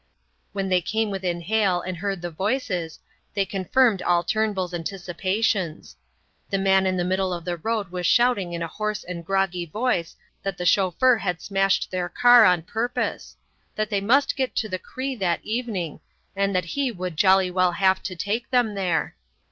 When they came within hail and heard the voices, they confirmed all Turnbull's anticipations. The man in the middle of the road was shouting in a hoarse and groggy voice that the chauffeur had smashed their car on purpose; that they must get to the Cri that evening, and that he would jolly well have to take them there.